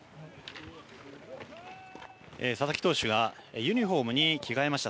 佐々木投手がユニホームに着替えました。